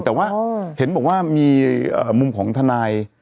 แต่ว่าเห็นบอกว่ามีมุมของทนาย